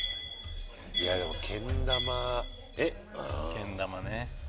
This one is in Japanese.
けん玉ね。